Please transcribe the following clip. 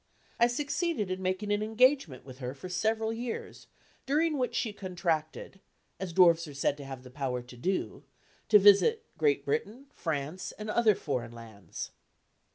I succeeded in making an engagement with her for several years, during which she contracted as dwarfs are said to have the power to do to visit Great Britain, France, and other foreign lands.